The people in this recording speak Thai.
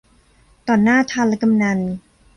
ต่อหน้าธารกำนัล